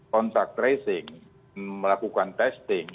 contact tracing melakukan testing